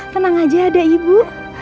tenang aja ada ibu